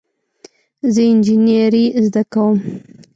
زه انجینری زده کوم